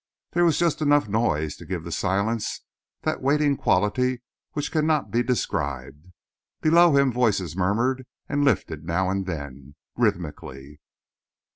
There was just enough noise to give the silence that waiting quality which cannot be described; below him voices murmured, and lifted now and then, rhythmically.